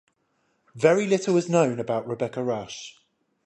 Very little is known about Rebecca Rush.